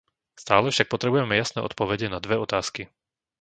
Stále však potrebujeme jasné odpovede na dve otázky.